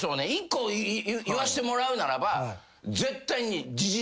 １個言わせてもらうならば。